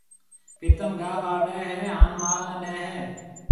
پرتم گاها واڍيَ هيَ هانَ مال نَي ڏَي هيَ۔